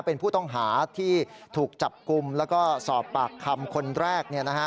เป็นผู้ต้องหาที่ถูกจับกลุ่มแล้วก็สอบปากคำคนแรก